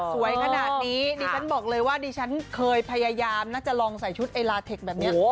สวยขนาดนี้ดิฉันบอกเลยว่าดิฉันเคยพยายามน่าจะลองใส่ชุดไอลาเทคแบบนี้